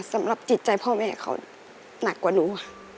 สำหรับจิตใจพ่อแม่เขาหนักกว่าหนูค่ะ